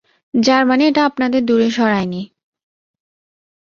যার মানে, এটা আপনাদের দূরে সরায়নি।